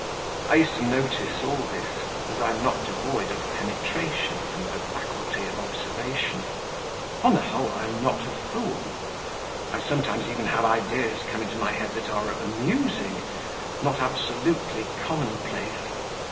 I used to notice all this, as I am not devoid of penetration and the faculty of observation; on the whole I am not a fool; I sometimes even have ideas come into my head that are amusing, not absolutely commonplace.